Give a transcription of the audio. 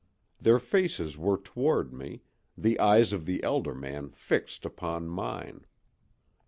Their faces were toward me, the eyes of the elder man fixed upon mine.